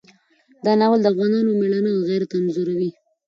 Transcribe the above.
دا ناول د افغانانو مېړانه او غیرت انځوروي.